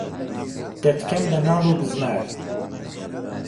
دهتکهم به ناڵ و بزمار